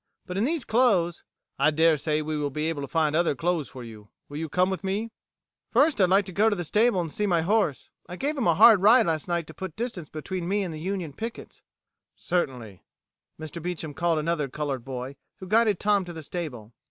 "But in these clothes...." "I daresay we will be able to find other clothes for you. If you will come with me?" "First I'd like to go to the stable and see my horse. I gave him a hard ride last night to put distance between me and the Union pickets." "Certainly." Mr. Beecham called another colored boy, who guided Tom to the stable.